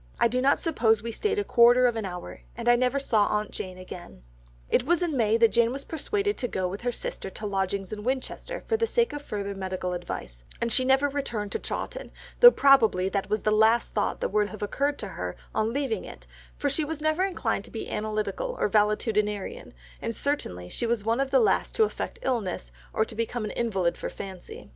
I do not suppose we stayed a quarter of an hour, and I never saw aunt Jane again." It was in May that Jane was persuaded to go with her sister to lodgings in Winchester for the sake of further medical advice, and she never returned to Chawton, though probably that was the last thought that would have occurred to her on leaving it, for she was never inclined to be analytical or valetudinarian, and certainly she was one of the last to affect illness, or become an invalid for fancy.